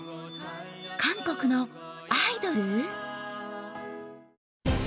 韓国のアイドル？。